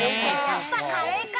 やっぱカレーか！